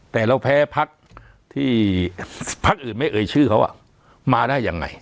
แต่เราแพ้พักที่พักอื่นไม่เอ่ยชื่อเขามาได้ยังไง